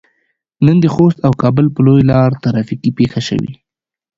نن د خوست او کابل په لويه لار ترافيکي پېښه شوي.